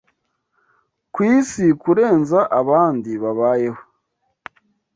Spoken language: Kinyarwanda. ku isi kurenza abandi babayeho.